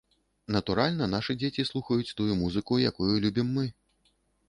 Натуральна, нашы дзеці слухаюць тую музыку, якую любім мы.